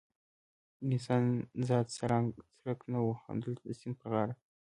د انسان ذات څرک نه و، همدلته د سیند پر غاړه.